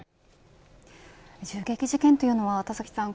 銃撃事件というのは田崎さん